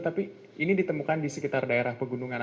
tapi ini ditemukan di sekitar daerah pegunungan